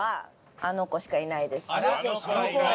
あの子！